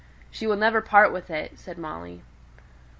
"She will never part with it," said Molly.